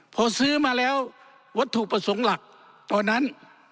พอซื้อมาแล้ววัตถุประสงค์หลักตอนนั้น